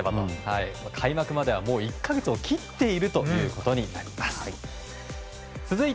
開幕まではもう１か月を切っているということになります。